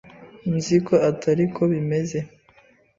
Nzi ko atari ko bimeze.